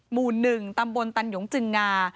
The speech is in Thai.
หมู่๑ตำบลตันหยงจึงงา